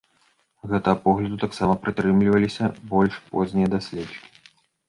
Гэтага погляду таксама прытрымліваліся больш познія даследчыкі.